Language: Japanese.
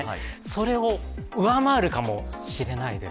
それを上回るかもしれないです。